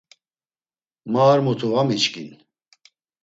Ma ar mutu va miçkin.